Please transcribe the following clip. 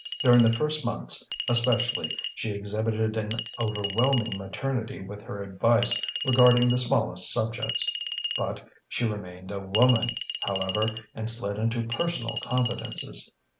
During the first months, especially, she exhibited an overwhelming maternity with her advice regarding the smallest subjects. But she remained a woman, however, and slid into personal confidences.